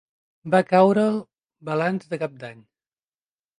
Va caure'l balanç de cap d'any